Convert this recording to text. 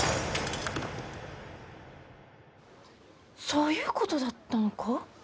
そういうことだったのか。